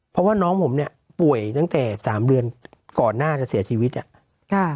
เพราะว่าน้องผมเนี่ยป่วยตั้งแต่สามเดือนก่อนหน้าจะเสียชีวิตอ่ะค่ะ